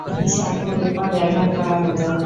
স্বর্ণ ও রূপা ব্যবহার করা হত।